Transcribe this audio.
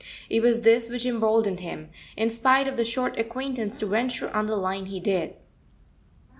It was this which emboldened him, in spite of the short acquaintance, to venture on the line he did.